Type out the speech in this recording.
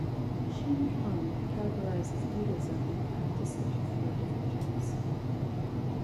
Chin Kung categorizes Buddhism in practice into four different types.